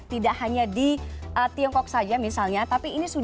tidak hanya di tiongkok saja misalnya